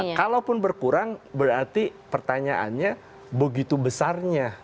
nah kalaupun berkurang berarti pertanyaannya begitu besarnya